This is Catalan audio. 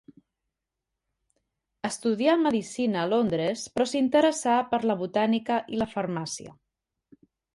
Estudià medicina a Londres però s'interessà per la botànica i la farmàcia.